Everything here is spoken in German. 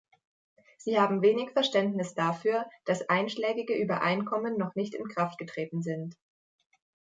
Sie haben wenig Verständnis dafür, dass einschlägige Übereinkommen noch nicht in Kraft getreten sind.